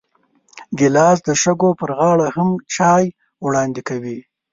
ګیلاس د شګو پر غاړه هم چای وړاندې کوي.